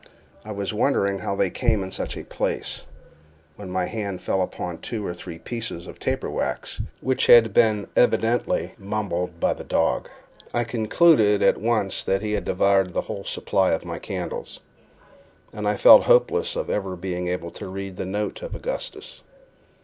I was wondering how they came in such a place, when my hand fell upon two or three pieces of taper wax, which had been evidently mumbled by the dog. I concluded at once that he had devoured the whole of my supply of candles, and I felt hopeless of being ever able to read the note of Augustus.